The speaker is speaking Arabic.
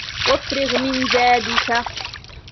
وَافْرَغْ مِنْ زَادِك